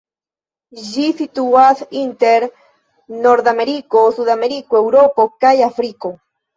Ĝi situas inter Nordameriko, Sudameriko, Eŭropo kaj Afriko.